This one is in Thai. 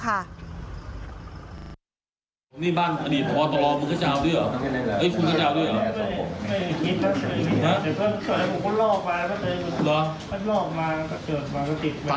เขาบอกมาเกิดบันกฤษไหม